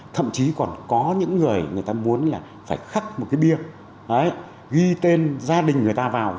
thậm chí còn có những người người ta muốn là phải khắc một cái bia ghi tên gia đình người ta vào